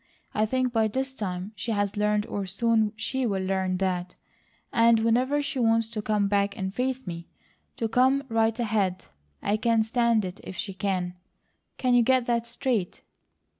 I think by this time she has learned or soon she will learn that; and whenever she wants to come back and face me, to come right ahead. I can stand it if she can. Can you get that straight?"